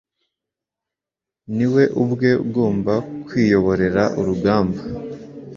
Ni we ubwe ugomba kwiyoborera urugamba